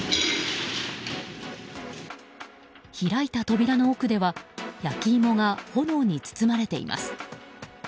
開いた扉の奥では焼き芋が炎に包まれています。